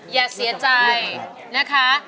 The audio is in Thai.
อย่าเสียใจนะคะ